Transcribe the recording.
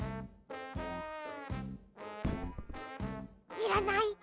いらない。